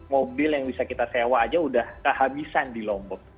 mobil yang bisa kita sewa aja udah kehabisan di lombok